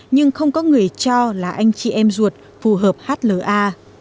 nhưng không có người cho là anh chị em ruột phù hợp hla